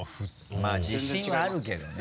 まぁ自信はあるけどね